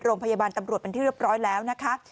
โรงพยาบาลตำรวจเป็นที่เรียบร้อยแล้วนะคะ